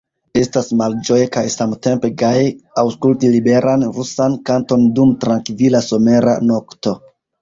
Estas malĝoje kaj samtempe gaje aŭskulti liberan rusan kanton dum trankvila somera nokto.